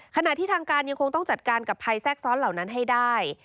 ขณะที่ทางการยังคงต้องจัดการกับภัยแทรกซ้อนเหล่านั้นให้ได้